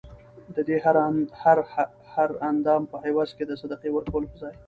ددي هر هر اندام په عوض کي د صدقې ورکولو په ځای